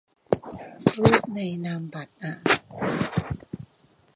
รูปในนามบัตรอ่ะ